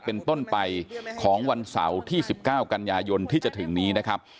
เป็นต้นไปของวันเสาร์ที่๑๙กันยายนที่จะถึงนี้นะครับ